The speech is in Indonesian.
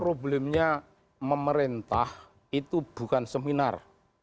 problemnya memerintah itu bukan seminar